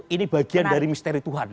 ini bagian dari misteri tuhan